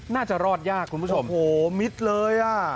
น่าจะรอดยากคุณผู้ชมโอ้โหมิดเลยอ่ะ